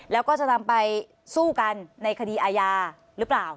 แล้วก็จะนำไปสู้กันในคดีอาญาหรือเปล่า